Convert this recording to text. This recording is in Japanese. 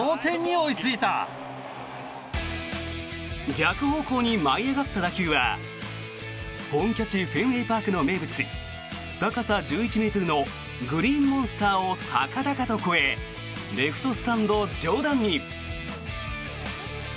逆方向に舞い上がった打球は本拠地フェンウェイパークの名物高さ１１ｍのグリーンモンスターを高々と越えレフトスタンド上段に。